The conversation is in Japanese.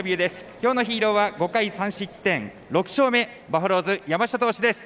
今日のヒーローは５回３失点バファローズ、山下投手です。